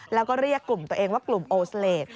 แล้วก็เรียกกลุ่มตัวเองว่ากลุ่มโอสเลส